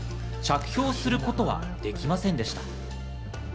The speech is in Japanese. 着氷することはできませんでした。